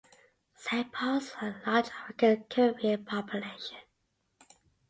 Saint Pauls has a large African-Caribbean population.